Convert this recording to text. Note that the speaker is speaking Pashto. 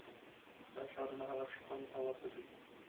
دا شعارونه هغه شخوند ته ورته دي.